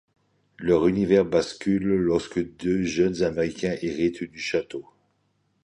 Leur univers bascule lorsque deux jeunes Américains héritent du château.